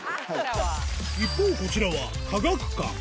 一方、こちらは科学館。